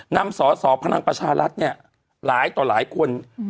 นำสอสอพลังประชารัฐเนี่ยหลายต่อหลายคน